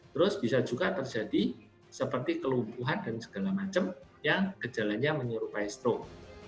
terus bisa juga terjadi seperti kelumpuhan dan segala macam yang gejalanya menyerupai stroke